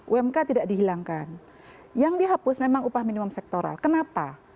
umk tidak dihilangkan yang dihapus memang upah minimum sektoral kenapa